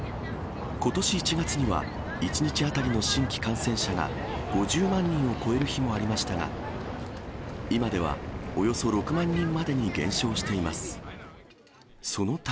ことし１月には、１日当たりの新規感染者が５０万人を超える日もありましたが、今ではおよそ６万人までに減少しています。